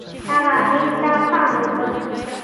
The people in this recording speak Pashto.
هغه هند ته پام وکړ.